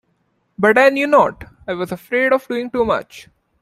But I knew not — I was afraid of doing too much.